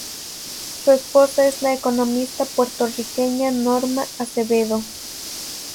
Su esposa es la economista puertorriqueña Norma Acevedo.